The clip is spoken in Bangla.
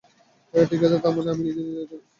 ঠিক আছে, তারমানে আমি নিজে নিজেই এটা করছি।